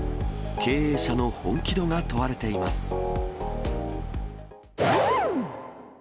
経営者の本気度が問われています。